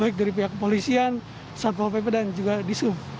kepolisian satpol pp dan juga di sup